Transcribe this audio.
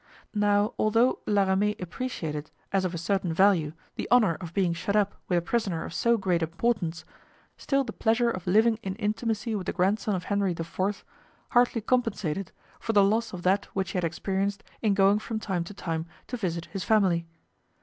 Now, although La Ramee appreciated, as of a certain value, the honor of being shut up with a prisoner of so great importance, still the pleasure of living in intimacy with the grandson of Henry IV. hardly compensated for the loss of that which he had experienced in going from time to time to visit his family.